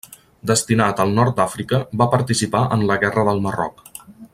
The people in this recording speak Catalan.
Destinat al Nord d'Àfrica, va participar en la Guerra del Marroc.